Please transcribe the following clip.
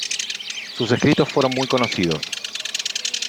Sus escritos fueron muy conocidos.